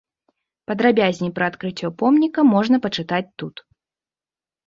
Падрабязней пра адкрыццё помніка можна пачытаць тут.